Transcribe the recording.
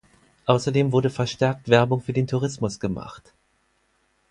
Außerdem wurde verstärkt Werbung für den Tourismus gemacht.